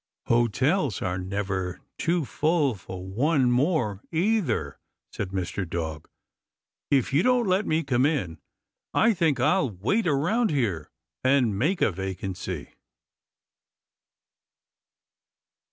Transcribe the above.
"Hotels are never too full for one more, either," said Mr. Dog. "If you don't let me come in I think I'll wait around here and make a vacancy."